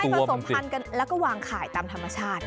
ผสมพันธุ์กันแล้วก็วางขายตามธรรมชาติ